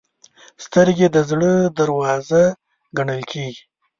سترګې د زړه دروازه ګڼل کېږي